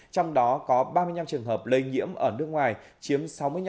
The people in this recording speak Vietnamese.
trong đó có ba mươi năm trường hợp lây nhiễm ở nước ngoài chiếm sáu mươi năm